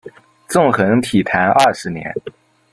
纵横体坛二十年。